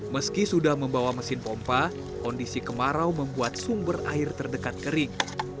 meski sudah membawa mesin pompa kondisi kemarau membuat sumber air terdekat kering